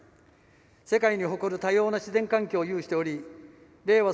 世界に誇る多様な自然環境を有しており令和